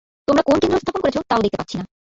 তোমরা কোন কেন্দ্র স্থাপন করেছ, তাও দেখতে পাচ্ছি না।